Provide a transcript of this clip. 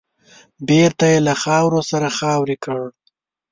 بېرته يې له خاورو سره خاورې کړ .